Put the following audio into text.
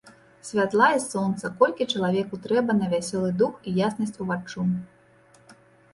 Святла і сонца, колькі чалавеку трэба на вясёлы дух і яснасць уваччу.